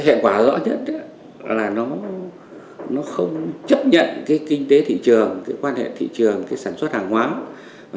hẹn quả rõ nhất là nó không chấp nhận kinh tế thị trường quan hệ thị trường sản xuất hàng hóa